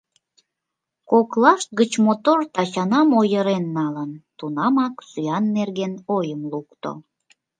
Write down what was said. Коклашт гыч мотор Тачанам ойырен налын, тунамак сӱан нерген ойым лукто.